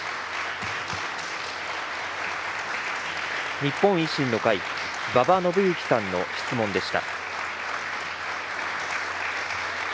日本維新の会、馬場伸幸さんの質問でした。